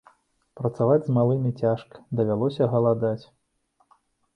Працаваць з малымі цяжка давялося, галадаць.